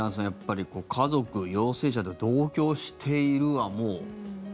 やっぱり家族、陽性者で同居しているはもう。